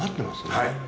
はい！